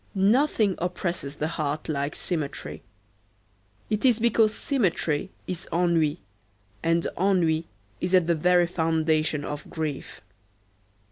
Nothing oppresses the heart like symmetry. It is because symmetry is ennui, and ennui is at the very foundation of grief.